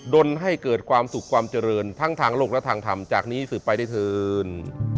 นให้เกิดความสุขความเจริญทั้งทางโลกและทางธรรมจากนี้สืบไปได้เถิน